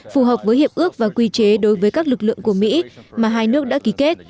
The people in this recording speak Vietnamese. phù hợp với hiệp ước và quy chế đối với các lực lượng của mỹ mà hai nước đã ký kết